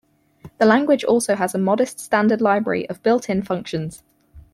The language also has a modest standard library of built-in functions.